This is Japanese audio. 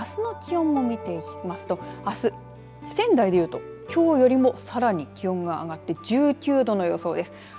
そして、あすの気温も見ていきますとあす、仙台でいうときょうよりもさらに気温が上がって１９度の予想です。